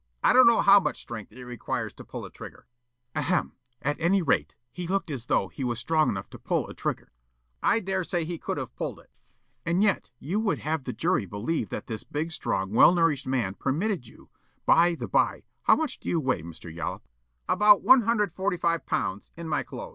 I don't know how much strength it requires to pull a trigger." Counsel: "Ahem! At any rate, he looked as though he was strong enough to pull a trigger?" Yollop: "I dare say he could have pulled it." Counsel: "And yet you would have the jury believe that this big, strong, well nourished man, permitted you By the by, how much do you weigh, Mr. Yollop!" Yollop: "About 145 pounds, in my clothes."